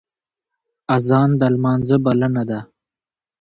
اذان د لمانځه بلنه ده